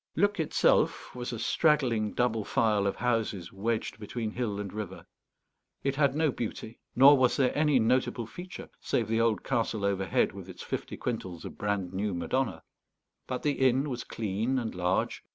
Luc itself was a straggling double file of houses wedged between hill and river. It had no beauty, nor was there any notable feature, save the old castle overhead with its fifty quintals of brand new Madonna. But the inn was clean and large.